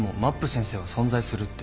先生は存在するって。